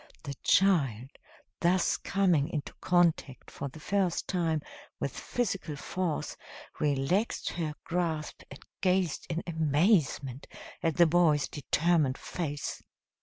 The child, thus coming into contact for the first time with physical force, relaxed her grasp and gazed in amazement at the boy's determined face.